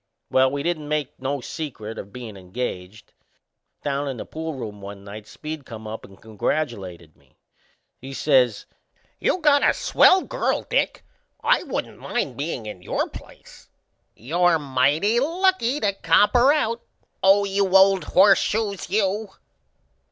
Well, we didn't make no secret o' bein' engaged; down in the poolroom one night Speed come up and congratulated me. He says: "You got a swell girl, Dick! I wouldn't mind bein' in your place. You're mighty lucky to cop her out you old Horseshoes, you!"